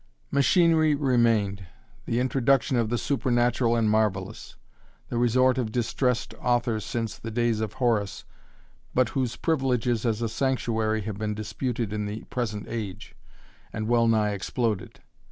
Machinery remained the introduction of the supernatural and marvellous; the resort of distressed authors since the days of Horace, but whose privileges as a sanctuary have been disputed in the present age, and well nigh exploded.